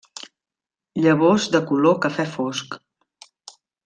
Llavors de color cafè fosc.